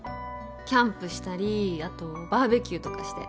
キャンプしたり後バーベキューとかして。